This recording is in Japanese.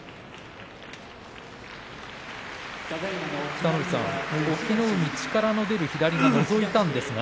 北の富士さん、隠岐の海力の出る左がのぞいたんですが。